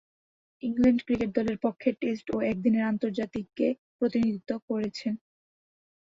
England cricket দলের পক্ষে test ও একদিনের আন্তর্জাতিকে প্রতিনিধিত্ব করেছেন।